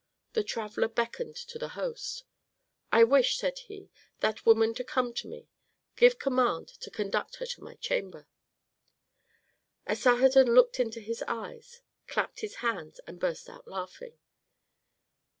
The traveller beckoned to the host. "I wish," said he, "that woman to come to me. Give command to conduct her to my chamber." Asarhadon looked into his eyes, clapped his hands, and burst out laughing.